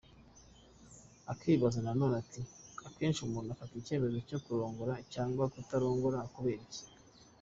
Akibaza na none ati “Akenshi umuntu afata icyemezo cyo kurongora cyangwa kurongorwa kubera iki?”.